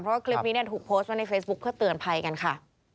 เพราะว่าคลิปนี้ถูกโพสต์ไว้ในเฟซบุ๊คเพื่อเตือนภัยกันค่ะ